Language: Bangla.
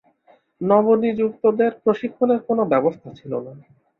নবনিযুক্তদের প্রশিক্ষণের কোনো ব্যবস্থা ছিল না।